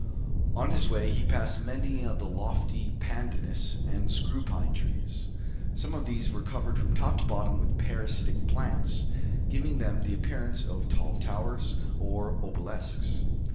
On his way he passed many of the lofty pandanus or screw pine trees. Some of these were covered from top to bottom with parasitic plants, giving them the appearance of tall towers or obelisks.